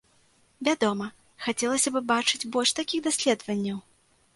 Вядома, хацелася б бачыць больш такіх даследаванняў.